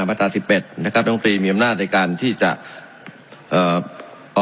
มาตราสิบเอ็ดนะครับรัฐมนตรีมีอำนาจในการที่จะเอ่อ